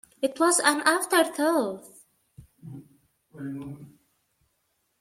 It was an afterthought.